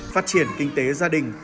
phát triển kinh tế gia đình